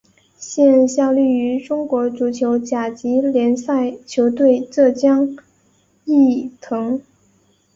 现效力于中国足球甲级联赛球队浙江毅腾。